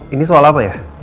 ini soal apa ya